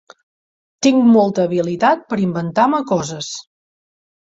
Tinc molta habilitat per inventar-me coses.